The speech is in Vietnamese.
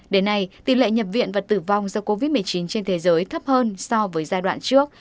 đến nay tỷ lệ nhập viện và tử vong do covid một mươi chín trên thế giới thấp hơn so với giai đoạn trước